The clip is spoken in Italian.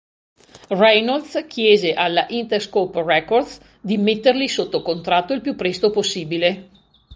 Reynolds chiese alla Interscope Records di metterli sotto contratto il più presto possibile.